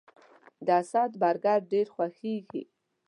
د اسد برګر ډیر خوښیږي